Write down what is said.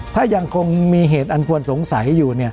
ถ้ายังคงมีเหตุอันควรสงสัยอยู่